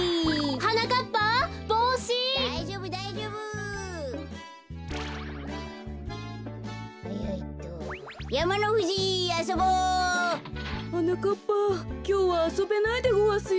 はなかっぱきょうはあそべないでごわすよ。